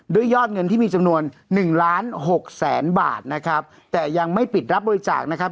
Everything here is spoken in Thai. ยอดเงินที่มีจำนวนหนึ่งล้านหกแสนบาทนะครับแต่ยังไม่ปิดรับบริจาคนะครับ